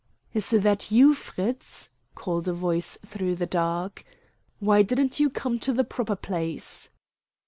"Is that you, Fritz?" called a voice through the dark. "Why didn't you come on to the proper place?"